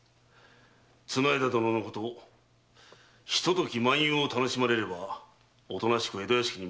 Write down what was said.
綱條殿のことひととき漫遊を楽しまれればおとなしく江戸屋敷に戻りましょうぞ。